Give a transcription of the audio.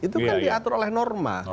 itu kan diatur oleh norma